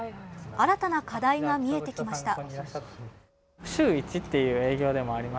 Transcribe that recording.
新たな課題が見えてきました。